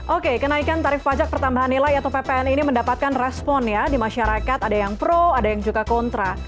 oke kenaikan tarif pajak pertambahan nilai atau ppn ini mendapatkan respon ya di masyarakat ada yang pro ada yang juga kontra